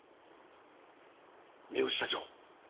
三星社長。